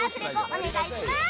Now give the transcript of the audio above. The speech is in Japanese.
お願いします！